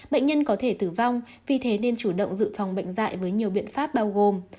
bệnh nhân có thể tử vong vì thế nên chủ động dự phòng bệnh dạy với nhiều biện pháp bao gồm